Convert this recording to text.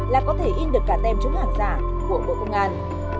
là có thể in được cả tem chống hàng giả của bộ công an